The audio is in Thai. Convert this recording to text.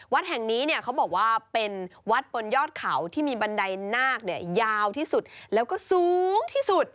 วัดแห่งนี้เนี่ยเขาบอกว่าเป็นวัดบนยอดเขาที่มีบันไดนาคเนี่ยยาวที่สุดแล้วก็สูงที่สุด